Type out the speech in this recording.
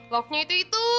lautnya itu itu